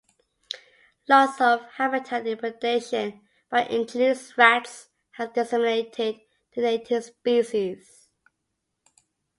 Loss of habitat and predation by introduced rats has decimated the native species.